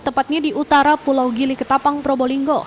tepatnya di utara pulau gili ketapang probolinggo